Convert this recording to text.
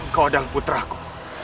kau adalah putraku